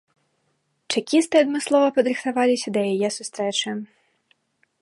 Чэкісты адмыслова падрыхтаваліся да яе сустрэчы.